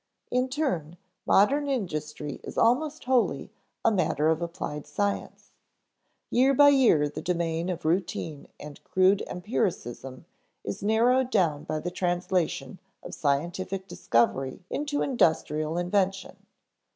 In turn, modern industry is almost wholly a matter of applied science; year by year the domain of routine and crude empiricism is narrowed by the translation of scientific discovery into industrial invention.